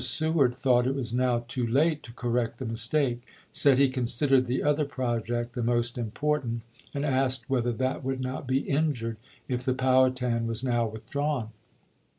Seward thought it was now too late to correct the mistake ; said he considered the other project the most important, and asked whether that would not be injured if the Powhatan was now withdrawn.